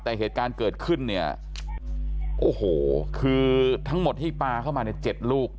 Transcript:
แต่เหตุการณ์เกิดขึ้นเนี่ยโอ้โหคือทั้งหมดที่ปลาเข้ามาเนี่ย๗ลูก